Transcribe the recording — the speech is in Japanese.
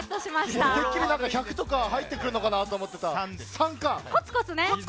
てっきり１００とか入ってくるのかと思ってた。